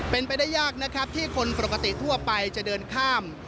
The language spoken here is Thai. เป็นไปได้ยากนะครับที่คนปกติทั่วไปจะเดินข้าม